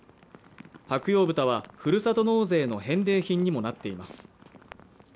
白楊豚はふるさと納税の返礼品にもなっています